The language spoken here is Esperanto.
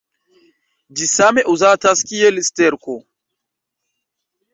Ĝi same uzatas kiel sterko.